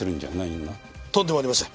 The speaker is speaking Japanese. とんでもありません。